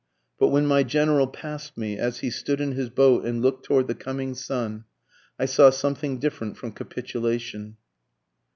But when my General pass'd me, As he stood in his boat and look'd toward the coming sun, I saw something different from capitulation.